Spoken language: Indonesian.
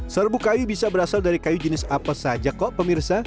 serbu kayu bisa berasal dari kayu jenis apa saja kok pemirsa